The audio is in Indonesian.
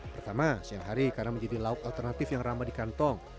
pertama siang hari karena menjadi lauk alternatif yang ramah di kantong